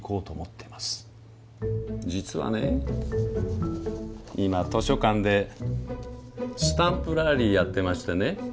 実はね今図書館でスタンプラリーやってましてね